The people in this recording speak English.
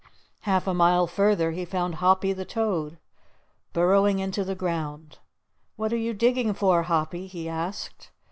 Half a mile further he found Hoppy the Toad burrowing into the ground. "What are you digging for, Hoppy?" he asked.